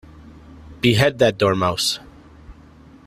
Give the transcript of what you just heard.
Behead that Dormouse!